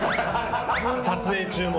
撮影中も。